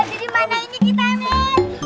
aduh dimana ini kita men